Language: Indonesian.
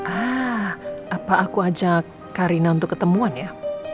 ah apa aku ajak karina untuk ketemuan ya